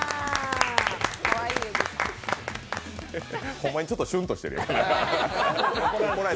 ほんまにちょっとシュンとしてる。